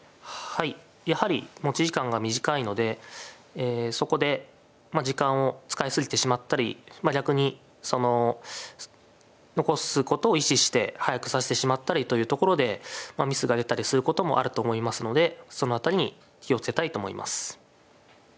はいやはり持ち時間が短いのでそこで時間を使い過ぎてしまったり逆に残すことを意識して早く指してしまったりというところでミスが出たりすることもあると思いますのでその辺りに気を付けたいと思います。